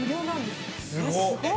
◆すごっ。